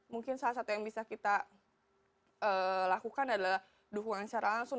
mungkin salah satu yang bisa kita lakukan adalah dukungan secara langsung